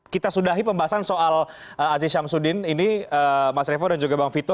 kita sudahi pembahasan soal aziz syamsuddin ini mas revo dan juga bang vito